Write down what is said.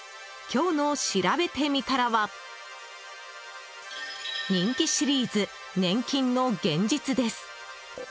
今日のしらべてみたらは人気シリーズ、年金の現実です。